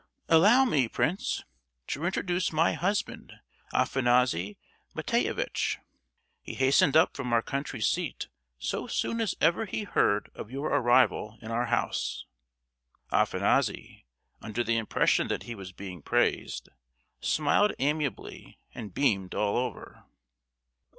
"Allow me, Prince, to introduce my husband, Afanassy Matveyevitch. He hastened up from our country seat so soon as ever he heard of your arrival in our house." Afanassy, under the impression that he was being praised, smiled amiably and beamed all over.